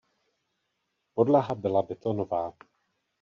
Podlaha byla betonová.